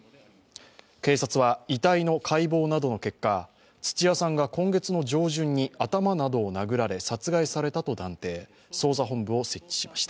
警察は、遺体の解剖などの結果、土屋さんが今月の上旬に頭などを殴られ殺害されたと断定捜査本部を設置しました。